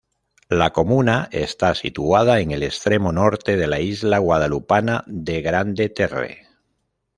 La comuna está situada en el extremo norte de la isla guadalupana de Grande-Terre.